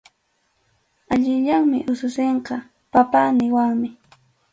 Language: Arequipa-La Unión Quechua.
Allillanmi ususinqa “papá” niwanmi.